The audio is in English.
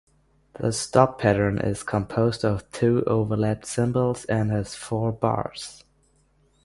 The stop pattern is composed of two overlapped symbols and has four bars.